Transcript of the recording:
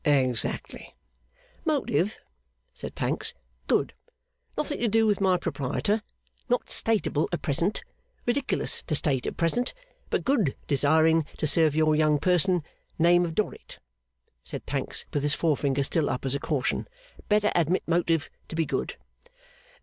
'Exactly.' 'Motive,' said Pancks, 'good. Nothing to do with my proprietor; not stateable at present, ridiculous to state at present; but good. Desiring to serve young person, name of Dorrit,' said Pancks, with his forefinger still up as a caution. 'Better admit motive to be good.